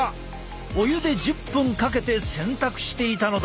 お湯で１０分かけて洗濯していたのだ！